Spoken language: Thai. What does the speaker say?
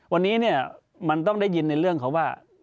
วันนี้เนี่ยมันต้องได้ยินในเรื่องเขาว่า